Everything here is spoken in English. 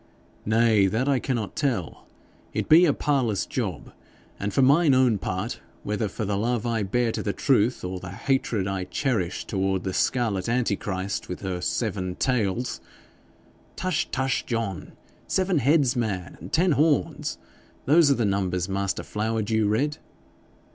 'Nay, that I cannot tell. It be a parlous job, and for mine own part, whether for the love I bear to the truth, or the hatred I cherish toward the scarlet Antichrist, with her seven tails ' 'Tush, tush, John! Seven heads, man, and ten horns. Those are the numbers master Flowerdew read.'